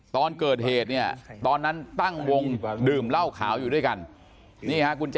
ตอนเกิดเหตุเนี่ยตอนนั้นตั้งวงดื่มเหล้าขาวอยู่ด้วยกัน